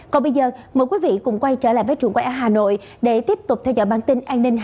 còn bây giờ mời quý vị cũng quay trở lại với trường quay ở hà nội để tiếp tục theo dõi bản tin an ninh hai mươi bốn h